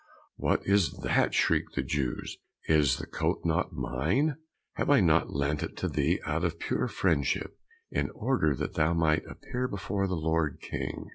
"What is that?" shrieked the Jew. "Is the coat not mine? Have I not lent it to thee out of pure friendship, in order that thou might appear before the lord King?"